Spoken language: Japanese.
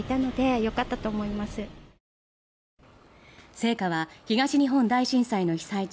聖火は東日本大震災の被災地